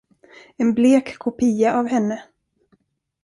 En blek kopia av henne.